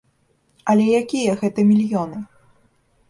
Але якія гэта мільёны?